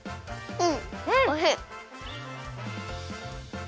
うん！